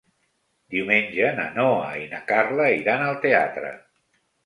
Diumenge na Noa i na Carla iran al teatre.